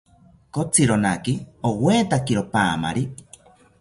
Kotzironaki owaetakiro paamari